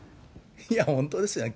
いや、本当ですよね。